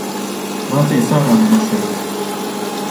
Vācies ārā no mašīnas!